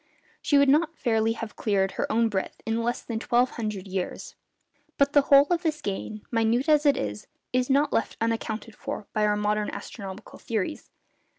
She would not fairly have cleared her own breadth in less than twelve hundred years. But the whole of this gain, minute as it is, is not left unaccounted for by our modern astronomical theories.